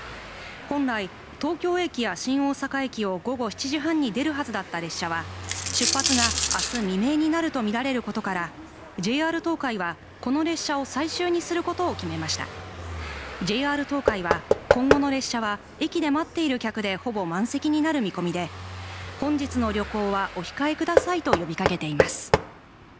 本来、東京駅や新大阪駅を午後７時半に出るはずだった列車は出発が明日未明になるとみられることからＪＲ東海はこの列車を最終にすることを決めましたＪＲ東海は今後の列車は駅で待っている客でほぼ満席になる見込みで本日の旅行はお控えくださいと呼びかけています